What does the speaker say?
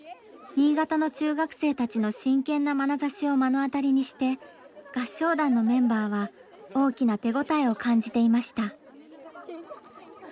新潟の中学生たちの真剣なまなざしを目の当たりにして合唱団のメンバーは大きな手応えを感じていました。